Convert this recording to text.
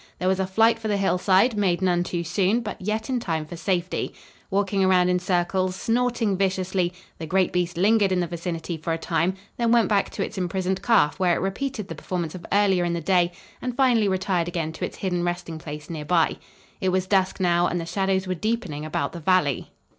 There was a flight for the hillside, made none too soon, but yet in time for safety. Walking around in circles, snorting viciously, the great beast lingered in the vicinity for a time, then went back to its imprisoned calf, where it repeated the performance of earlier in the day and finally retired again to its hidden resting place near by. It was dusk now and the shadows were deepening about the valley.